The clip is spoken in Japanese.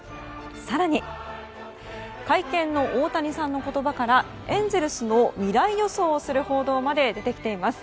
更に、会見の大谷さんの言葉からエンゼルスの未来予想をする報道まで出てきています。